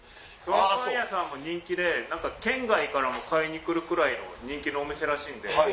そのパン屋さんも人気で県外からも買いに来るくらい人気のお店らしいんで。